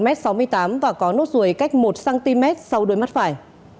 đối tượng này cao một mét sáu mươi tám và có nốt ruồi cách một cm sau đôi mắt phải